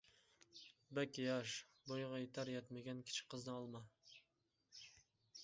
بەك ياش، بويىغا يېتەر-يەتمىگەن كىچىك قىزنى ئالما.